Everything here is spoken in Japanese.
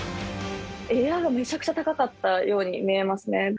エアがめちゃくちゃ高かったように見えますね。